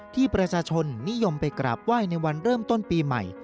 ที่ประชาชนนิยมไปกราบไหว้ในวันเริ่มต้นปีใหม่